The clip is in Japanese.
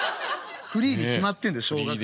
フリーに決まってんだ小学生。